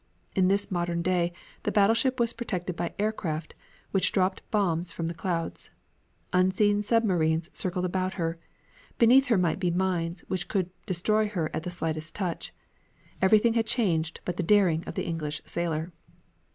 In this modern day the battleship was protected by aircraft, which dropped bombs from the clouds. Unseen submarines circled about her. Beneath her might be mines, which could destroy her at the slightest touch. Everything had changed but the daring of the English sailor.